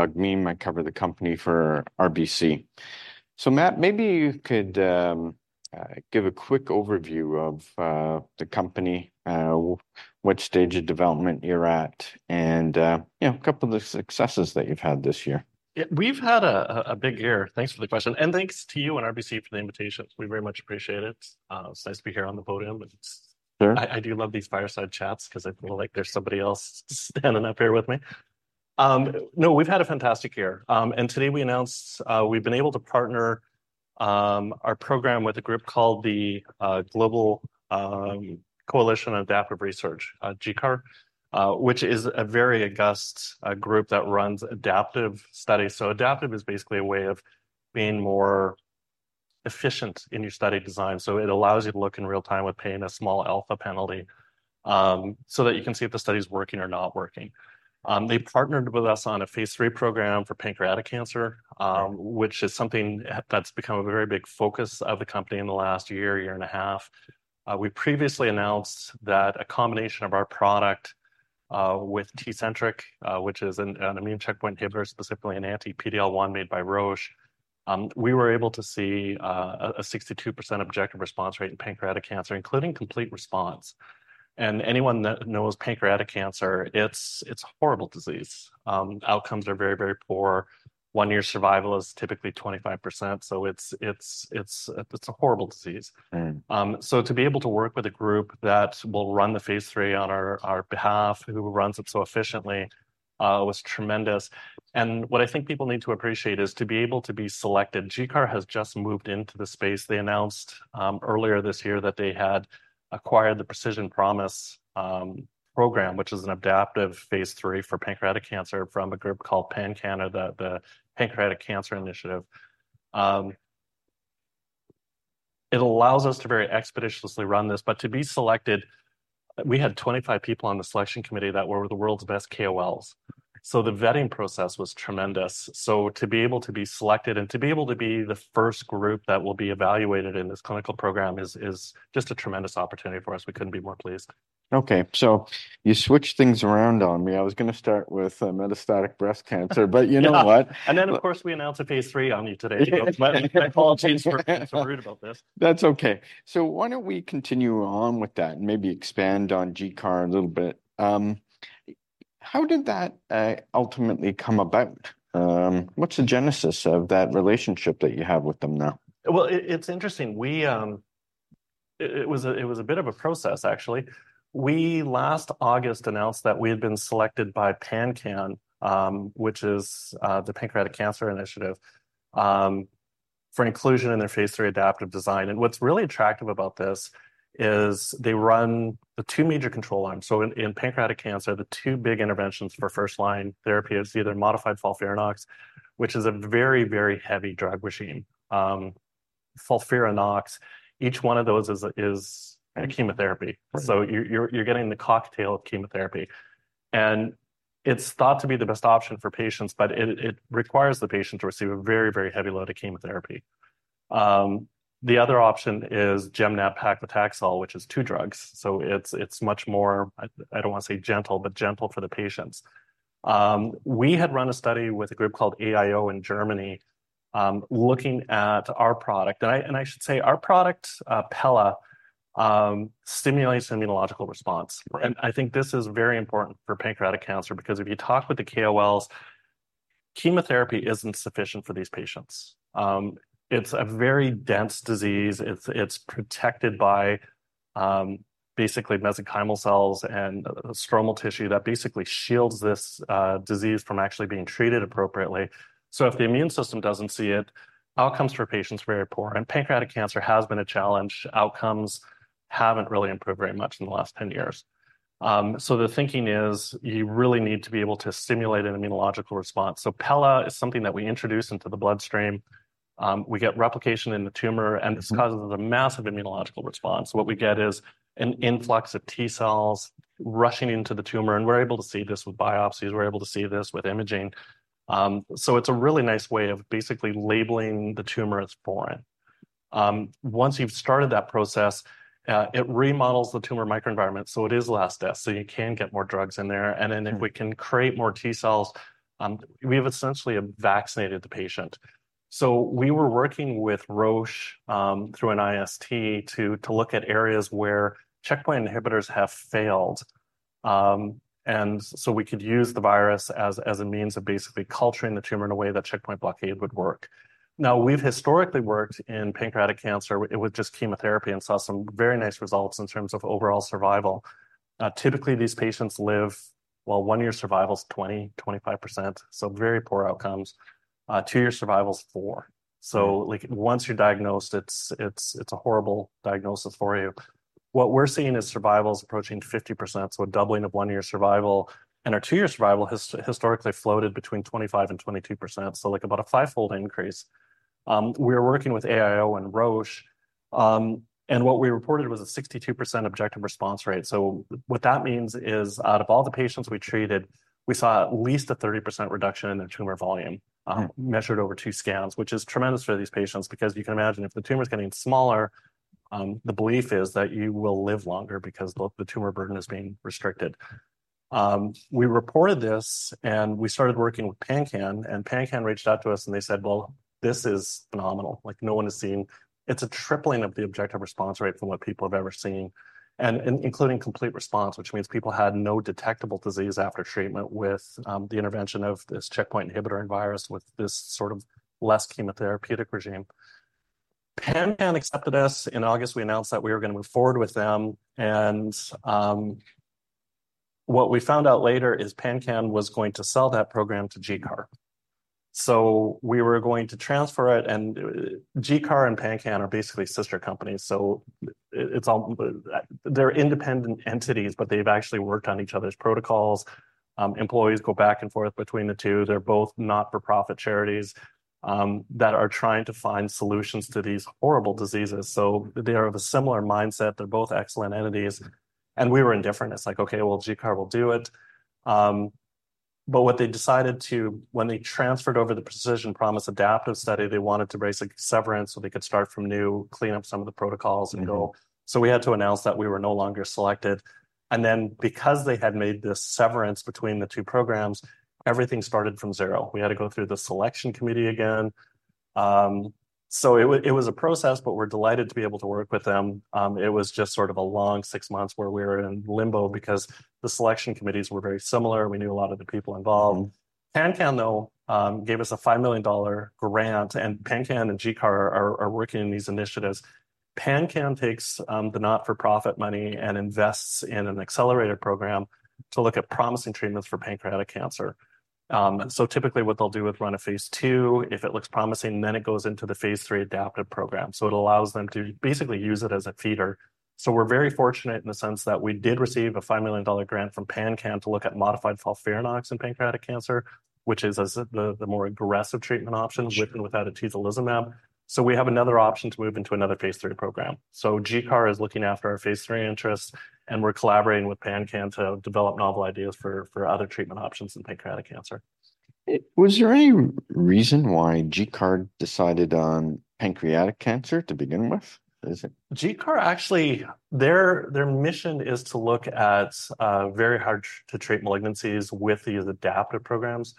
Doug Miehm, I cover the company for RBC. So Matt, maybe you could give a quick overview of the company, which stage of development you're at, and, you know, a couple of the successes that you've had this year. Yeah, we've had a big year. Thanks for the question, and thanks to you and RBC for the invitation. We very much appreciate it. It's nice to be here on the podium, and it's. Sure. I do love these fireside chats because I feel like there's somebody else standing up here with me. No, we've had a fantastic year. And today we announced, we've been able to partner our program with a group called the Global Coalition for Adaptive Research, GCAR, which is a very august group that runs adaptive studies. So adaptive is basically a way of being more efficient in your study design, so it allows you to look in real time with paying a small alpha penalty, so that you can see if the study's working or not working. They partnered with us on a Phase 3 program for pancreatic cancer, which is something that's become a very big focus of the company in the last year and a half. We previously announced that a combination of our product, with TECENTRIQ, which is an immune checkpoint inhibitor, specifically an anti-PD-L1 made by Roche, we were able to see a 62% objective response rate in pancreatic cancer, including complete response. Anyone that knows pancreatic cancer, it's a horrible disease. Outcomes are very, very poor. One-year survival is typically 25%, so it's a horrible disease. To be able to work with a group that will run the phase III on our behalf, who runs it so efficiently, was tremendous. What I think people need to appreciate is to be able to be selected. GCAR has just moved into the space. They announced earlier this year that they had acquired the Precision Promise program, which is an adaptive phase III for pancreatic cancer, from a group called PanCAN, or the Pancreatic Cancer Initiative. It allows us to very expeditiously run this, but to be selected, we had 25 people on the selection committee that were the world's best KOLs. So the vetting process was tremendous. So to be able to be selected and to be able to be the first group that will be evaluated in this clinical program is just a tremendous opportunity for us. We couldn't be more pleased. Okay, so you switched things around on me. I was going to start with metastatic breast cancer, but you know what? Of course, we announced a phase III on you today. My apologies for being so rude about this. That's okay. So why don't we continue on with that and maybe expand on GCAR a little bit? How did that, ultimately come about? What's the genesis of that relationship that you have with them now? Well, it's interesting. It was a bit of a process, actually. We last August announced that we had been selected by PanCAN, which is the Pancreatic Cancer Initiative, for inclusion in their phase III adaptive design. And what's really attractive about this is they run the two major control arms. So in pancreatic cancer, the two big interventions for first-line therapy are either modified FOLFIRINOX, which is a very, very heavy drug regimen. FOLFIRINOX, each one of those is chemotherapy. So you're getting the cocktail of chemotherapy. And it's thought to be the best option for patients, but it requires the patient to receive a very, very heavy load of chemotherapy. The other option is Gem/nab-paclitaxel, which is two drugs. So it's much more—I don't want to say gentle, but gentle—for the patients. We had run a study with a group called AIO in Germany, looking at our product. And I should say our product, Pela, stimulates immunological response. And I think this is very important for pancreatic cancer because if you talk with the KOLs, chemotherapy isn't sufficient for these patients. It's a very dense disease. It's protected by, basically, mesenchymal cells and stromal tissue that basically shields this disease from actually being treated appropriately. So if the immune system doesn't see it, outcomes for patients are very poor. And pancreatic cancer has been a challenge. Outcomes haven't really improved very much in the last 10 years. The thinking is you really need to be able to stimulate an immunological response. So Pela is something that we introduce into the bloodstream. We get replication in the tumor, and this causes a massive immunological response. What we get is an influx of T cells rushing into the tumor, and we're able to see this with biopsies. We're able to see this with imaging. So it's a really nice way of basically labeling the tumor as foreign. Once you've started that process, it remodels the tumor microenvironment so it is less dense, so you can get more drugs in there. And then if we can create more T cells, we have essentially vaccinated the patient. So we were working with Roche, through an IST to look at areas where checkpoint inhibitors have failed. And so we could use the virus as a means of basically culturing the tumor in a way that checkpoint blockade would work. Now, we've historically worked in pancreatic cancer with just chemotherapy and saw some very nice results in terms of overall survival. Typically, these patients live, well, one-year survival's 20%-25%, so very poor outcomes. Two-year survival's 4%. So, like, once you're diagnosed, it's a horrible diagnosis for you. What we're seeing is survival's approaching 50%, so a doubling of one-year survival. And our two-year survival has historically floated between 25% and 22%, so, like, about a fivefold increase. We were working with AIO and Roche, and what we reported was a 62% objective response rate. So what that means is, out of all the patients we treated, we saw at least a 30% reduction in their tumor volume, measured over two scans, which is tremendous for these patients because you can imagine if the tumor's getting smaller, the belief is that you will live longer because the tumor burden is being restricted. We reported this, and we started working with PanCAN, and PanCAN reached out to us, and they said, "Well, this is phenomenal. Like, no one has seen, it's a tripling of the objective response rate from what people have ever seen," and including complete response, which means people had no detectable disease after treatment with the intervention of this checkpoint inhibitor and virus with this sort of less chemotherapeutic regimen. PanCAN accepted us. In August, we announced that we were going to move forward with them, and what we found out later is PanCAN was going to sell that program to GCAR. So we were going to transfer it, and GCAR and PanCAN are basically sister companies, so it's all, they're independent entities, but they've actually worked on each other's protocols. Employees go back and forth between the two. They're both not-for-profit charities that are trying to find solutions to these horrible diseases. So they are of a similar mindset. They're both excellent entities. And we were indifferent. It's like, "Okay, well, GCAR will do it," but what they decided to, when they transferred over the Precision Promise adaptive study, they wanted to raise a severance so they could start from new, clean up some of the protocols, and go. So we had to announce that we were no longer selected. And then because they had made this severance between the two programs, everything started from zero. We had to go through the selection committee again. So it was—it was a process, but we're delighted to be able to work with them. It was just sort of a long six months where we were in limbo because the selection committees were very similar. We knew a lot of the people involved. PanCAN, though, gave us a $5 million grant, and PanCAN and GCAR are working in these initiatives. PanCAN takes the not-for-profit money and invests in an accelerator program to look at promising treatments for pancreatic cancer. Typically what they'll do is run a phase II. If it looks promising, then it goes into the phase III adaptive program. It allows them to basically use it as a feeder. We're very fortunate in the sense that we did receive a $5 million grant from PanCAN to look at modified FOLFIRINOX in pancreatic cancer, which is the more aggressive treatment option with and without atezolizumab. We have another option to move into another phase III program. So GCAR is looking after our phase III interests, and we're collaborating with PanCAN to develop novel ideas for other treatment options in pancreatic cancer. Was there any reason why GCAR decided on pancreatic cancer to begin with? Is it? GCAR, actually, their mission is to look at very hard-to-treat malignancies with these adaptive programs.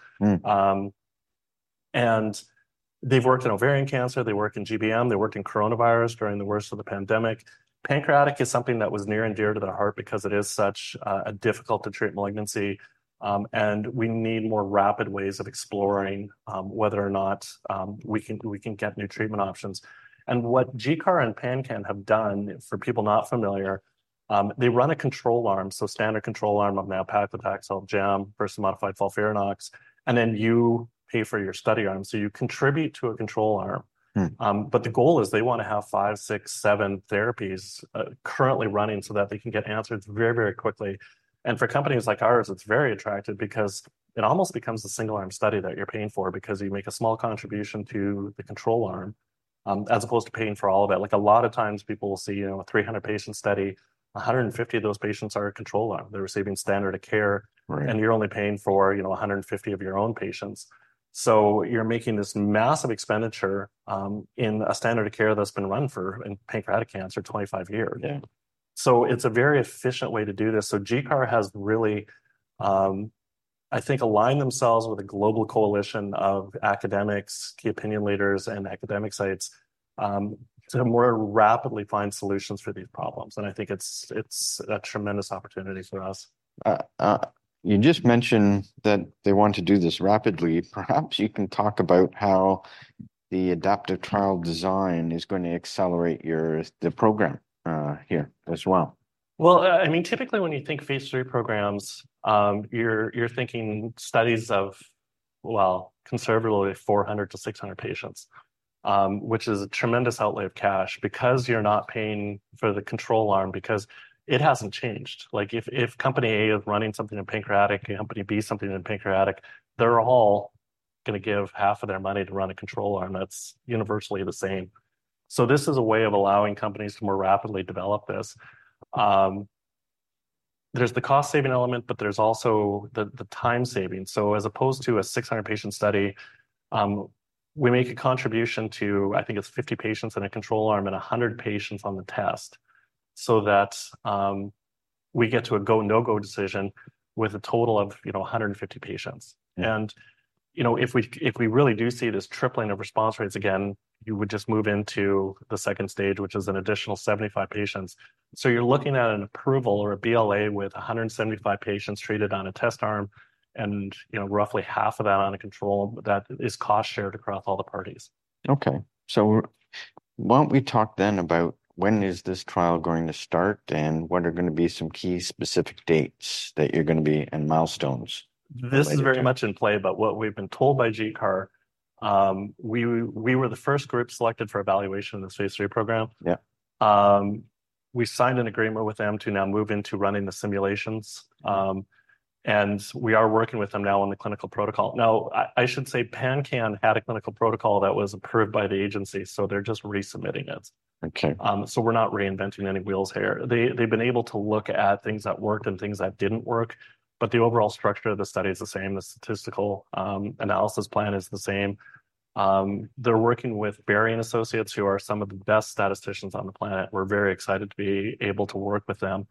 They've worked in ovarian cancer. They worked in GBM. They worked in coronavirus during the worst of the pandemic. Pancreatic is something that was near and dear to their heart because it is such a difficult-to-treat malignancy. We need more rapid ways of exploring whether or not we can get new treatment options. And what GCAR and PanCAN have done, for people not familiar, they run a control arm, so standard control arm of gem/nab-paclitaxel versus modified FOLFIRINOX, and then you pay for your study arm. So you contribute to a control arm. But the goal is they want to have five, six, seven therapies currently running so that they can get answers very, very quickly. For companies like ours, it's very attractive because it almost becomes a single-arm study that you're paying for because you make a small contribution to the control arm, as opposed to paying for all of it. Like, a lot of times people will see, you know, a 300-patient study. 150 of those patients are a control arm. They're receiving standard of care. You're only paying for, you know, 150 of your own patients. So you're making this massive expenditure, in a standard of care that's been run for in pancreatic cancer 25 years. Yeah. It's a very efficient way to do this. GCAR has really, I think, aligned themselves with a global coalition of academics, key opinion leaders, and academic sites, to more rapidly find solutions for these problems. I think it's, it's a tremendous opportunity for us. You just mentioned that they want to do this rapidly. Perhaps you can talk about how the adaptive trial design is going to accelerate your—the program, here as well. Well, I mean, typically when you think phase III programs, you're—you're thinking studies of, well, conservatively 400-600 patients, which is a tremendous outlay of cash because you're not paying for the control arm because it hasn't changed. Like, if—if Company A is running something in pancreatic, Company B something in pancreatic, they're all going to give half of their money to run a control arm. That's universally the same. So this is a way of allowing companies to more rapidly develop this. There's the cost-saving element, but there's also the—the time saving. So as opposed to a 600-patient study, we make a contribution to, I think it's 50 patients in a control arm and 100 patients on the test so that, we get to a go-no-go decision with a total of, you know, 150 patients. You know, if we really do see this tripling of response rates again, you would just move into the second stage, which is an additional 75 patients. So you're looking at an approval or a BLA with 175 patients treated on a test arm, and, you know, roughly half of that on a control arm that is cost-shared across all the parties. Okay. So why don't we talk then about when is this trial going to start, and what are going to be some key specific dates that you're going to be, and milestones? This is very much in play, but what we've been told by GCAR, we were the first group selected for evaluation in this phase III program. Yeah. We signed an agreement with them to now move into running the simulations. We are working with them now on the clinical protocol. Now, I should say PanCAN had a clinical protocol that was approved by the agency, so they're just resubmitting it. Okay. We're not reinventing any wheels here. They've been able to look at things that worked and things that didn't work, but the overall structure of the study is the same. The statistical analysis plan is the same. They're working with Berry & Associates, who are some of the best statisticians on the planet. We're very excited to be able to work with them.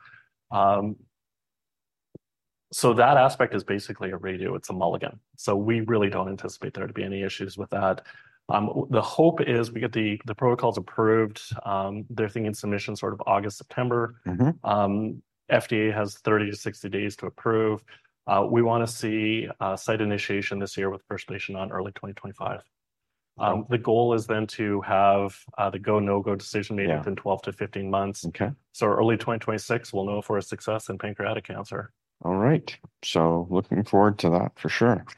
So that aspect is basically a redo. It's a mulligan. So we really don't anticipate there to be any issues with that. The hope is we get the protocols approved. They're thinking submission sort of August, September. FDA has 30-60 days to approve. We want to see site initiation this year with the first patient on early 2025. The goal is then to have the go-no-go decision made within 12-15 months. Okay. So early 2026, we'll know if we're a success in pancreatic cancer. All right. So looking forward to that for sure. Okay.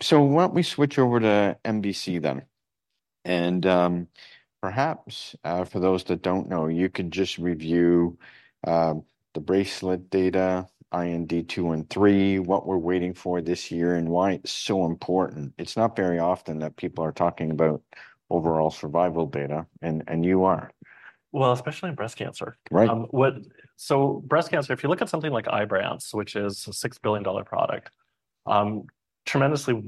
So why don't we switch over to MBC then? Perhaps, for those that don't know, you can just review the BRACELET-1 data, IND-213, what we're waiting for this year, and why it's so important. It's not very often that people are talking about overall survival data, and you are. Well, especially in breast cancer. Right. What—so breast cancer, if you look at something like Ibrance, which is a $6 billion product, tremendously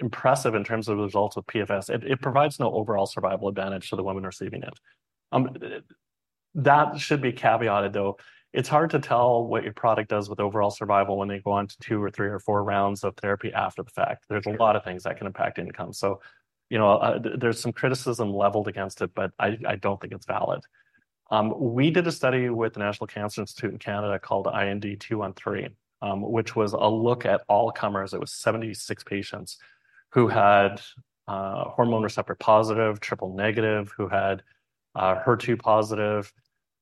impressive in terms of results with PFS. It provides no overall survival advantage to the women receiving it. That should be caveated, though. It's hard to tell what your product does with overall survival when they go on to two or three or four rounds of therapy after the fact. There's a lot of things that can impact outcome. So, you know, there's some criticism leveled against it, but I don't think it's valid. We did a study with the National Cancer Institute of Canada called IND-213, which was a look at all-comers. It was 76 patients who had hormone receptor positive, triple negative, who had HER2 positive.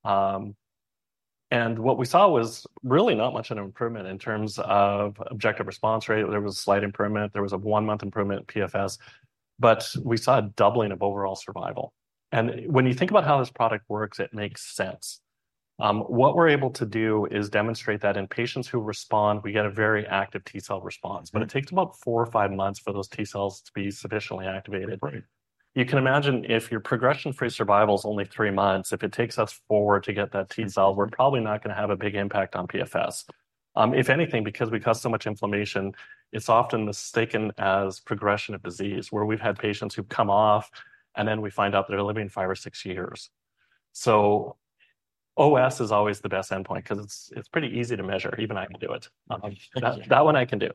What we saw was really not much of an improvement in terms of objective response rate. There was a slight improvement. There was a 1-month improvement in PFS. But we saw a doubling of overall survival. And when you think about how this product works, it makes sense. What we're able to do is demonstrate that in patients who respond, we get a very active T cell response, but it takes about 4 or 5 months for those T cells to be sufficiently activated. Right. You can imagine if your progression-free survival's only 3 months, if it takes us 4 or 5 months to get that T cell, we're probably not going to have a big impact on PFS. If anything, because we cause so much inflammation, it's often mistaken as progression of disease, where we've had patients who've come off, and then we find out they're living 5 or 6 years. So OS is always the best endpoint because it's pretty easy to measure. Even I can do it. That one I can do.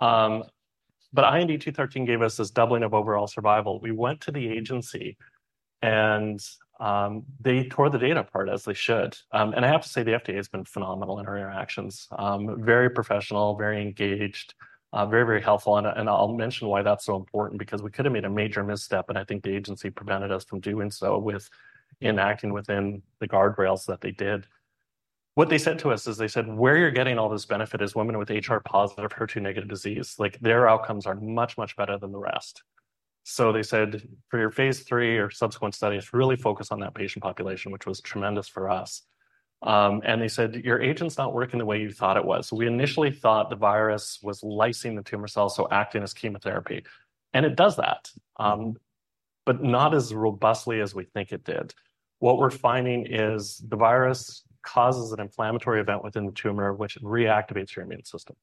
But IND-213 gave us this doubling of overall survival. We went to the agency, and they tore the data apart as they should. And I have to say, the FDA has been phenomenal in our interactions. Very professional, very engaged, very, very helpful. And I'll mention why that's so important because we could have made a major misstep, and I think the agency prevented us from doing so with enacting within the guardrails that they did. What they said to us is they said, "Where you're getting all this benefit is women with HR positive, HER2 negative disease. Like, their outcomes are much, much better than the rest. So they said, "For your phase III or subsequent studies, really focus on that patient population," which was tremendous for us. And they said, "Your agent's not working the way you thought it was." We initially thought the virus was lysing the tumor cells so acting as chemotherapy. And it does that, but not as robustly as we think it did. What we're finding is the virus causes an inflammatory event within the tumor, which reactivates your immune system.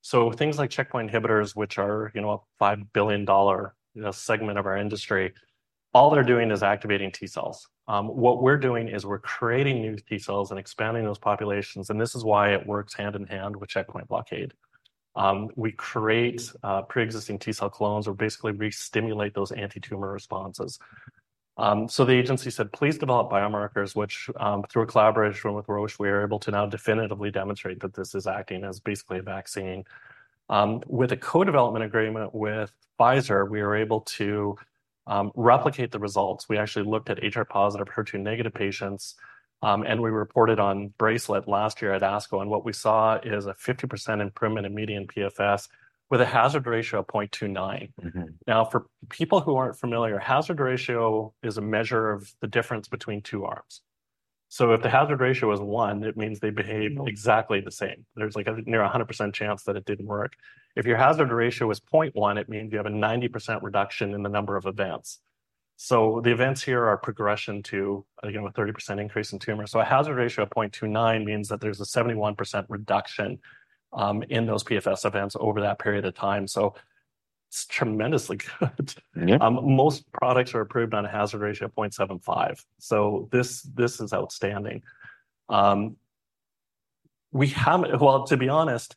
So things like checkpoint inhibitors, which are, you know, a $5 billion, you know, segment of our industry, all they're doing is activating T cells. What we're doing is we're creating new T cells and expanding those populations. And this is why it works hand in hand with checkpoint blockade. We create pre-existing T cell clones, or basically re-stimulate those anti-tumor responses. So the agency said, "Please develop biomarkers," which, through a collaboration with Roche, we are able to now definitively demonstrate that this is acting as basically a vaccine. With a co-development agreement with Pfizer, we were able to replicate the results. We actually looked at HR positive, HER2 negative patients, and we reported on BRACELET-1 last year at ASCO. And what we saw is a 50% improvement in median PFS with a hazard ratio of 0.29. Now, for people who aren't familiar, hazard ratio is a measure of the difference between two arms. So if the hazard ratio is 1, it means they behave exactly the same. There's like a near 100% chance that it didn't work. If your hazard ratio is 0.1, it means you have a 90% reduction in the number of events. So the events here are progression to, again, a 30% increase in tumor. So a hazard ratio of 0.29 means that there's a 71% reduction in those PFS events over that period of time. So it's tremendously good. Most products are approved on a hazard ratio of 0.75. So this is outstanding. We have—well, to be honest,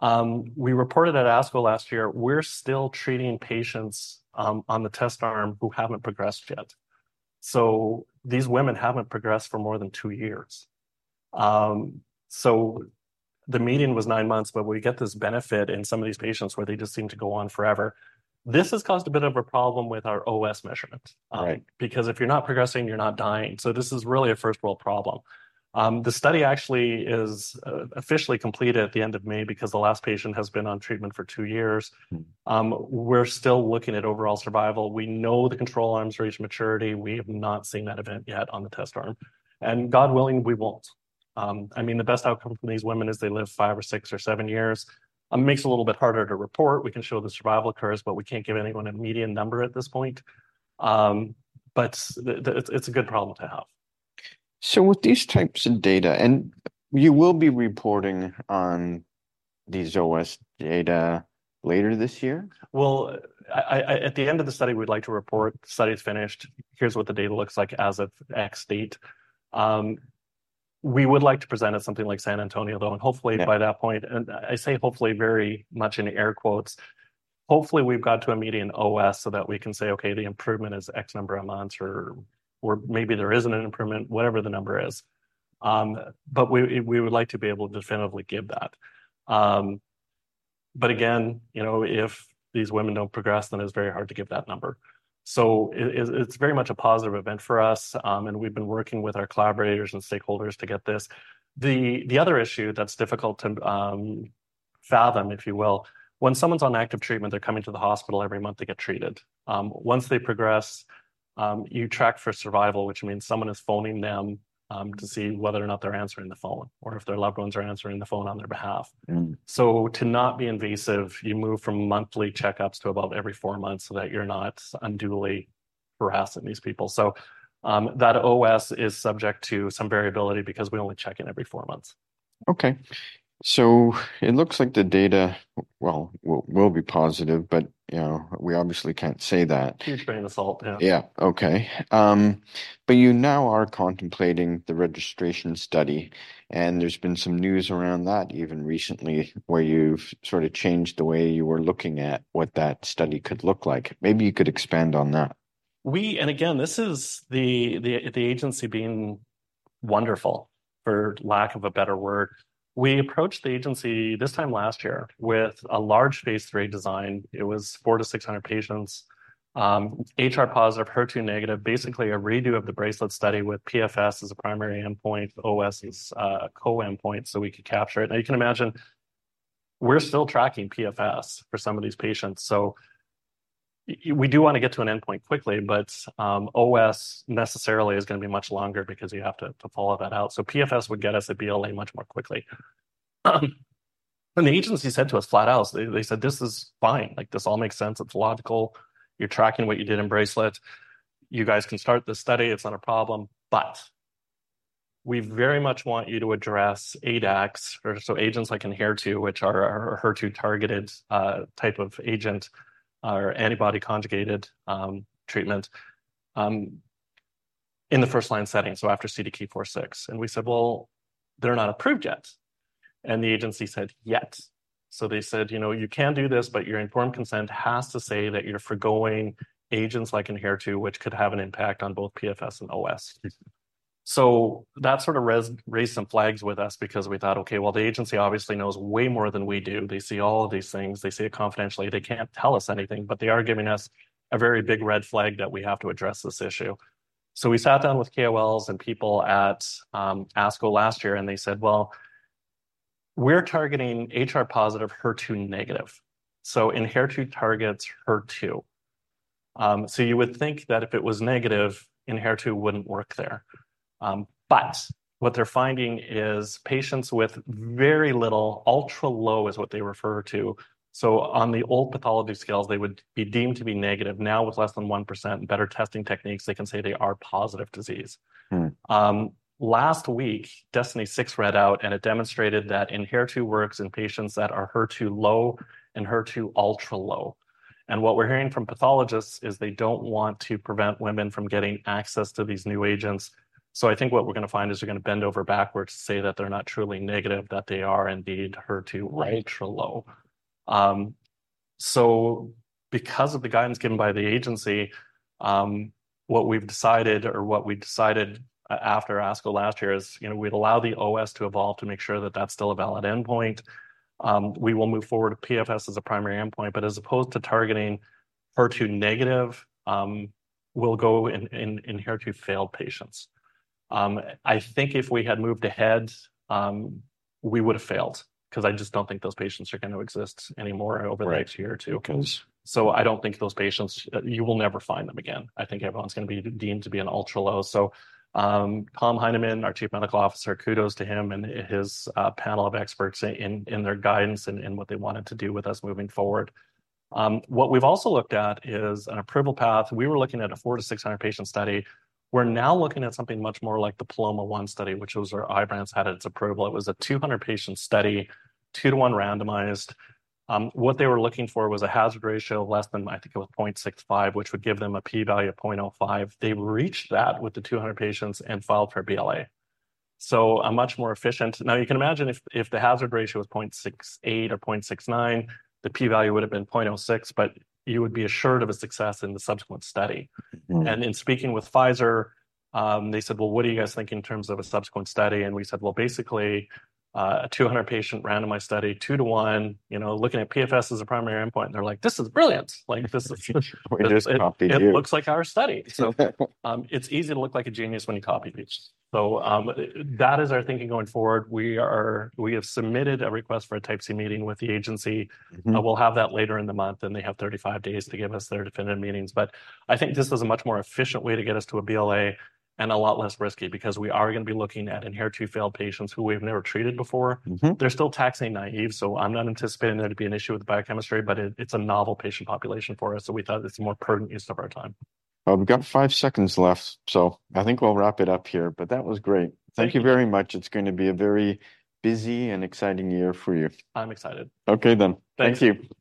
we reported at ASCO last year, we're still treating patients on the test arm who haven't progressed yet. So these women haven't progressed for more than 2 years. So the median was 9 months, but we get this benefit in some of these patients where they just seem to go on forever. This has caused a bit of a problem with our OS measurement because if you're not progressing, you're not dying. So this is really a first-world problem. The study actually is officially completed at the end of May because the last patient has been on treatment for two years. We're still looking at overall survival. We know the control arm's reached maturity. We have not seen that event yet on the test arm. And God willing, we won't. I mean, the best outcome from these women is they live five or six or seven years. Makes it a little bit harder to report. We can show the survival occurs, but we can't give anyone a median number at this point. But it's, it's a good problem to have. So with these types of data, and you will be reporting on these OS data later this year? Well, at the end of the study, we'd like to report, "Study's finished. Here's what the data looks like as of X date." We would like to present it something like San Antonio, though, and hopefully by that point—and I say hopefully very much in air quotes—hopefully we've got to a median OS so that we can say, "Okay, the improvement is X number of months," or, or maybe there isn't an improvement, whatever the number is. But we would like to be able to definitively give that. But again, you know, if these women don't progress, then it's very hard to give that number. So it's very much a positive event for us. And we've been working with our collaborators and stakeholders to get this. The other issue that's difficult to fathom, if you will, when someone's on active treatment, they're coming to the hospital every month to get treated. Once they progress, you track for survival, which means someone is phoning them to see whether or not they're answering the phone or if their loved ones are answering the phone on their behalf. So to not be invasive, you move from monthly checkups to about every four months so that you're not unduly harassing these people. So, that OS is subject to some variability because we only check in every four months. Okay. So it looks like the data, well, will, will be positive, but, you know, we obviously can't say that. Huge grain of salt, yeah. Yeah. Okay. But you now are contemplating the registration study, and there's been some news around that even recently where you've sort of changed the way you were looking at what that study could look like. Maybe you could expand on that. We—and again, this is the agency being wonderful, for lack of a better word. We approached the agency this time last year with a large phase III design. It was 400-600 patients, HR positive, HER2 negative, basically a redo of the BRACELET-1 study with PFS as a primary endpoint, OS as co-endpoint so we could capture it. Now, you can imagine we're still tracking PFS for some of these patients. So we do want to get to an endpoint quickly, but OS necessarily is going to be much longer because you have to follow that out. So PFS would get us a BLA much more quickly, and the agency said to us flat out—they said, "This is fine. Like, this all makes sense. It's logical. You're tracking what you did in BRACELET-1. You guys can start this study. It's not a problem. But we very much want you to address ADCs, or so agents like Enhertu, which are a HER2-targeted, type of agent or antibody-conjugated, treatment, in the first-line setting, so after CDK4/6. And we said, "Well, they're not approved yet." And the agency said, "Yet." So they said, "You know, you can do this, but your informed consent has to say that you're forgoing agents like Enhertu, which could have an impact on both PFS and OS." So that sort of raised some flags with us because we thought, "Okay, well, the agency obviously knows way more than we do. They see all of these things. They see it confidentially. They can't tell us anything, but they are giving us a very big red flag that we have to address this issue." So we sat down with KOLs and people at ASCO last year, and they said, "Well, we're targeting HR positive, HER2 negative. So Enhertu targets HER2. so you would think that if it was negative, Enhertu wouldn't work there. but what they're finding is patients with very little—ultra-low is what they refer to—so on the old pathology scales, they would be deemed to be negative. Now, with less than 1% and better testing techniques, they can say they are positive disease." Last week, Destiny 6 read out, and it demonstrated that Enhertu works in patients that are HER2 low and HER2 ultra-low. And what we're hearing from pathologists is they don't want to prevent women from getting access to these new agents. So I think what we're going to find is they're going to bend over backwards to say that they're not truly negative, that they are indeed HER2 ultra-low. So because of the guidance given by the agency, what we've decided, or what we decided after ASCO last year, is, you know, we'd allow the OS to evolve to make sure that that's still a valid endpoint. We will move forward to PFS as a primary endpoint, but as opposed to targeting HER2 negative, we'll go in Enhertu-failed patients. I think if we had moved ahead, we would have failed because I just don't think those patients are going to exist anymore over the next year or two. So I don't think those patients, you will never find them again. I think everyone's going to be deemed to be an ultra-low. So, Tom Heineman, our Chief Medical Officer, kudos to him and his panel of experts in their guidance and what they wanted to do with us moving forward. What we've also looked at is an approval path. We were looking at a 400-600 patient study. We're now looking at something much more like the PALOMA-1 study, which was where Ibrance had its approval. It was a 200-patient study, 2-to-1 randomized. What they were looking for was a hazard ratio less than—I think it was 0.65—which would give them a p-value of 0.05. They reached that with the 200 patients and filed for a BLA. So a much more efficient, now, you can imagine if the hazard ratio was 0.68 or 0.69, the p-value would have been 0.06, but you would be assured of a success in the subsequent study. And in speaking with Pfizer, they said, "Well, what are you guys thinking in terms of a subsequent study?" And we said, "Well, basically, a 200-patient randomized study, 2-to-1, you know, looking at PFS as a primary endpoint." And they're like, "This is brilliant. Like, this is—it looks like our study." So, it's easy to look like a genius when you copy-paste. So, that is our thinking going forward. We are—we have submitted a request for a Type C meeting with the agency. We'll have that later in the month, and they have 35 days to give us their definitive meetings. But I think this is a much more efficient way to get us to a BLA and a lot less risky because we are going to be looking at Enhertu-failed patients who we've never treated before. They're still taxane-naïve, so I'm not anticipating there to be an issue with the biochemistry, but it's a novel patient population for us, so we thought it's a more pertinent use of our time. Well, we've got five seconds left, so I think we'll wrap it up here. But that was great. Thank you very much. It's going to be a very busy and exciting year for you. I'm excited. Okay then. Thank you.